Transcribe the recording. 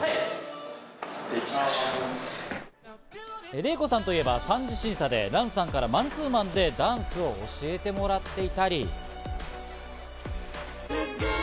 ＲＥＩＫＯさんといえば３次審査でＲＡＮさんからマンツーマンでダンスを教えてもらっていたり。